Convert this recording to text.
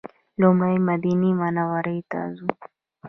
لومړی مدینې منورې ته ځو.